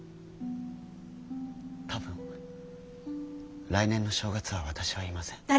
多分来年の正月は私はいません。